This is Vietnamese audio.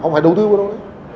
không phải đầu tư vào đâu